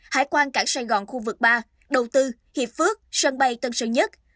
hải quan cảng sài gòn khu vực ba đầu tư hiệp phước sân bay tân sơn nhất